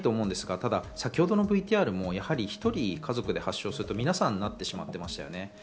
ただ先ほどのＶＴＲも１人家族で発症すると、皆さん、なってしまっていましたよね。